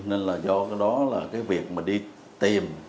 nên do đó việc đi tìm